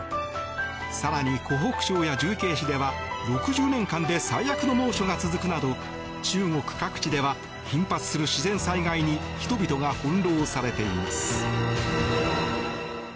更に湖北省や重慶市では６０年間で最悪の猛暑が続くなど中国各地では頻発する自然災害に人々が翻ろうされています。